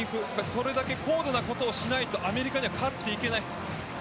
それだけ高度なことをしないとアメリカには勝っていけない。